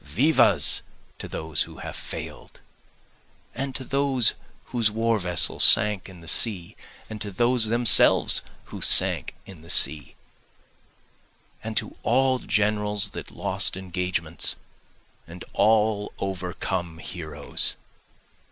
Vivas to those who have fail'd! And to those whose war vessels sank in the sea! And to those themselves who sank in the sea! And to all generals that lost engagements, and all overcome heroes!